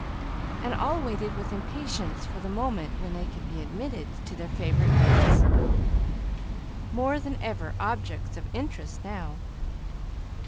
and all waited with impatience for the moment when they could be admitted to their favorite mates, more than ever objects of interest now.